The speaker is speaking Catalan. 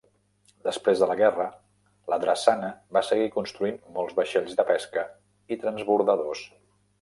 Després de la guerra, la drassana va seguir construint molts vaixells de pesca i transbordadors.